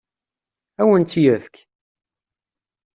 Ad awen-tt-yefk?